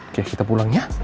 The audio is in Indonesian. oke kita pulang ya